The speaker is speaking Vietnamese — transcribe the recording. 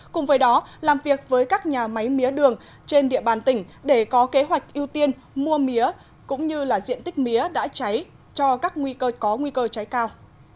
cùng với đó làm việc với các nhà máy mía đường trên địa bàn tỉnh để có kế hoạch ưu tiên mua mía cũng như là diện tích mía đã cháy cho các nguy cơ có nguy cơ cháy cao